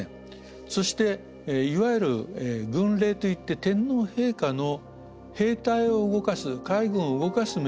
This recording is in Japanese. そしていわゆる軍令といって天皇陛下の兵隊を動かす海軍を動かす命令